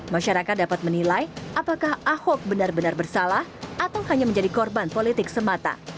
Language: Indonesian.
masyarakat dapat menilai apakah ahok benar benar bersalah atau hanya menjadi korban politik semata